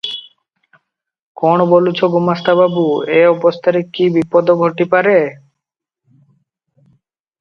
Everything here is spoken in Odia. କଣ ବୋଲୁଛ ଗୁମାସ୍ତା ବାବୁ, ଏ ଅବସ୍ଥାରେ କି ବିପଦ ଘଟି ପାରେ?